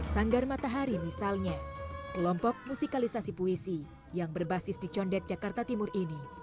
sanggar matahari misalnya kelompok musikalisasi puisi yang berbasis di condet jakarta timur ini